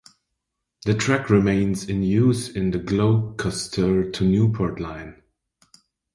The track remains in use on the Gloucester to Newport line.